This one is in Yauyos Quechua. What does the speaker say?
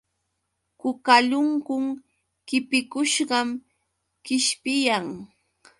Kukalunkun qipikushqam qishpiyan.